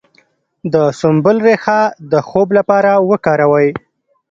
د سنبل ریښه د خوب لپاره وکاروئ